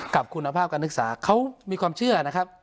กับคุณภาพการศึกษาเขามีความเชื่อนะครับ